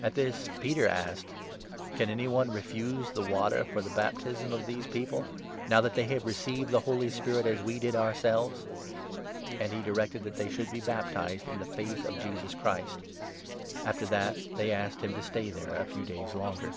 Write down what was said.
At this Peter asked : "Can any one refuse the water for the baptism of these 47 people, now that they have received the Holy Spirit as we did ourselves ?" And he directed that they should be baptized in the Faith of 48 Jesus Christ ; after which they asked him to stay there a few days longer.